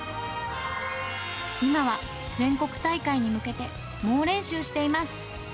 今は全国大会に向けて、猛練習しています。